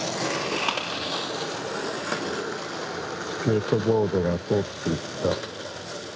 スケートボードが通っていった。